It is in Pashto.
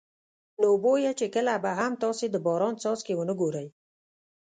نو بویه چې کله به هم تاسې د باران څاڅکي ونه ګورئ.